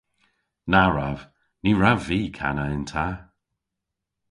Na wrav. Ny wrav vy kana yn ta.